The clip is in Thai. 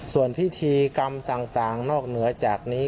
ส่วนพิธีกรรมต่างนอกเหนือจากนี้